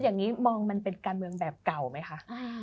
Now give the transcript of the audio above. อย่างนี้มองมันเป็นการเมืองแบบเก่าไหมคะ